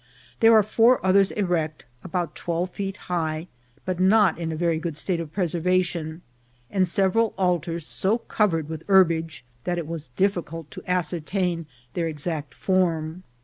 There are four others erect, about twelve feet high, but not in a very good state of preservation, and several altars so covered with herbage that it was difficult to ascertain their exa«t form.